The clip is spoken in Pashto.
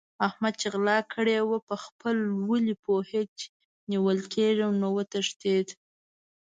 احمد چې غلا کړې وه؛ په خپل ولي پوهېد چې نيول کېږم نو وتښتېد.